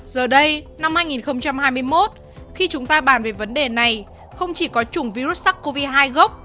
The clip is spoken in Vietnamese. giờ đây năm hai nghìn hai mươi một khi chúng ta bàn về vấn đề này không chỉ có chủng virus sars cov hai gốc